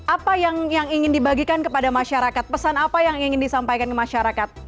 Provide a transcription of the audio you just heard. apa yang ingin dibagikan kepada masyarakat pesan apa yang ingin disampaikan ke masyarakat